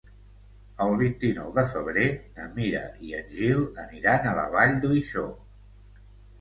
El vint-i-nou de febrer na Mira i en Gil aniran a la Vall d'Uixó.